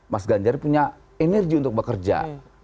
mas ganjar punya energi untuk bekerja